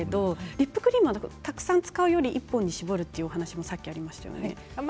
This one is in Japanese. リップクリームはたくさん買うよりも１本に絞るということがありましたね。